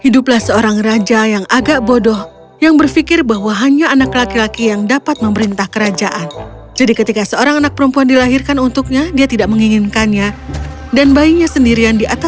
dongeng bahasa indonesia